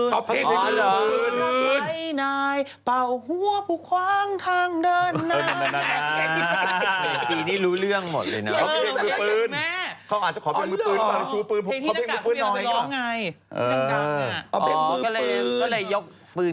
เขาก็อาจจะขอเว้นมือปืน